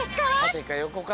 たてかよこか？